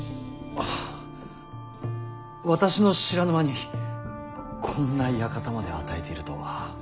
あ私の知らぬ間にこんな館まで与えているとは。